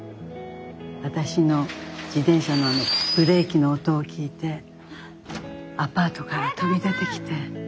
私の自転車のブレーキの音を聞いてアパートから飛び出てきて。